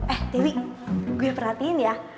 eh tiwi gue perhatiin ya